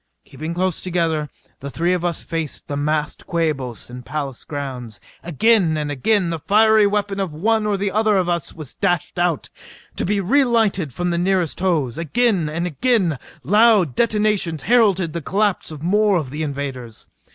Keeping close together, the three of us faced the massed Quabos in the palace grounds. Again and again the fiery weapon of one or the other of us was dashed out to be re lighted from the nearest hose. Again and again loud detonations heralded the collapse of more of the invaders.